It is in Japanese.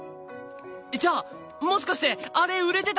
じゃあもしかしてあれ売れてたりする！？